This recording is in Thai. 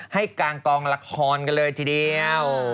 ให้กลางกลองรากษ์กันเลยทีเดียว